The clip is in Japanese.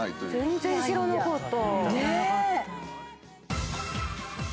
全然知らなかった。